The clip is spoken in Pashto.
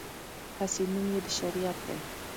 هسې نوم یې د شریعت دی.